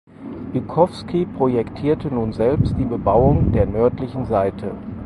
Bykowski projektierte nun selbst die Bebauung der nördlichen Seite.